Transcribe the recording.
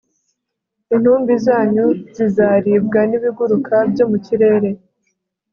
intumbi zanyu zizaribwa n'ibiguruka byo mu kirere